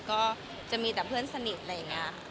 ก็จะมีแต่เพื่อนสนิทอะไรอย่างนี้